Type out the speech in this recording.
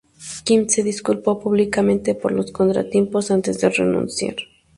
Kim se disculpó públicamente por los contratiempos antes de renunciar.